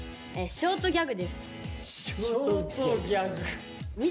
ショートギャグ。